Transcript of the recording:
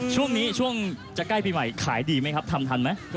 ช่วงนี้ช่วงจะใกล้ปีใหม่ขายดีไหมครับทำทันไหม